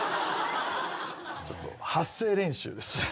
ちょっと発声練習です。